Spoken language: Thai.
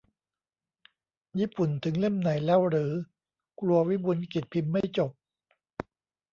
ญี่ปุ่นถึงเล่มไหนแล้วหรือ กลัววิบูลย์กิจพิมพ์ไม่จบ